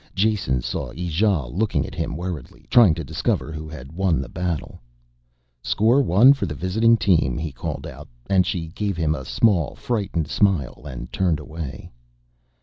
Jason saw Ijale looking at him worriedly, trying to discover who had won the battle. "Score one for the visiting team," he called out, and she gave him a small, frightened smile and turned away.